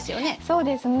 そうですね。